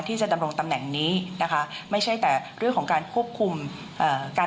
ที่จะดำรงตำแหน่งนี้นะคะไม่ใช่แต่เรื่องของการควบคุมเอ่อการ